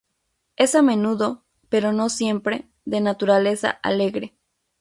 Es a menudo, pero no siempre, de naturaleza alegre.